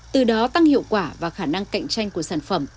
từ đó tăng hiệu quả và khả năng cạnh tranh của sản phẩm